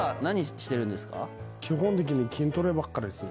基本的に筋トレばっかりですね。